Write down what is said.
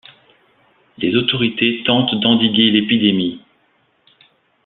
Les autorités tentent d'endiguer l'épidémie.